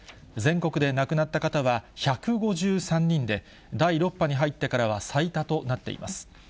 全国で亡くなった方は１５３人で、第６波に入ってからは最多となっています。